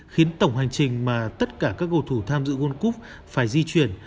khiến tổng hành trình mà tất cả các cầu thủ tham dự world cup phải di chuyển